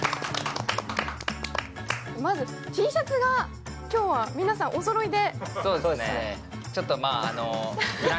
まず、Ｔシャツが今日は皆さんおそろいで？